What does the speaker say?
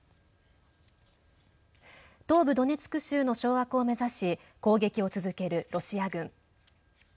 東部ドネツク州の掌握を目指し攻撃を続けるロシア軍。